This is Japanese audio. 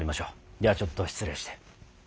ではちょっと失礼して。